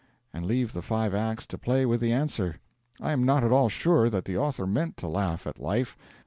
and leave the five acts to play with the answer. I am not at all sure that the author meant to laugh at life.